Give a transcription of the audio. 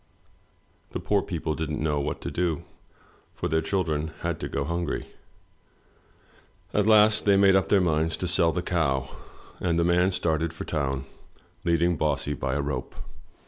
The poor people didn't know what to do, for their children had to go hungry. At last they made up their minds to sell the cow, and the man started for town leading Bossy by a rope.